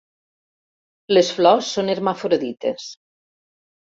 Les flors són hermafrodites.